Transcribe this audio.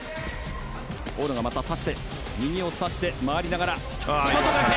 大野がまた差して、右を差して回りながら。